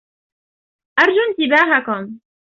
أرجو إنتباهكم!